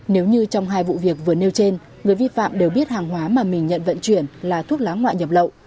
nếu như trong hai vụ việc vừa nêu trên người vi phạm đều biết hàng hóa mà mình nhận vận chuyển là thuốc lá ngoại nhập lậu